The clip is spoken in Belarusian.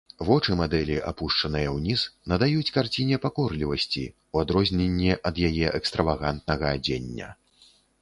Вочы мадэлі, апушчаныя ўніз, надаюць карціне пакорлівасці, у адрозненне ад яе экстравагантнага адзення.